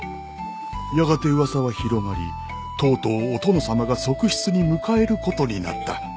やがて噂は広まりとうとうお殿様が側室に迎えることになった。